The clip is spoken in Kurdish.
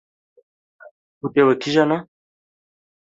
Pûtê we kîjan e?